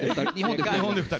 日本で２人。